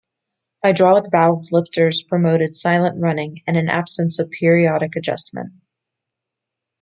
Hydraulic valve lifters promoted silent running and an absence of periodic adjustment.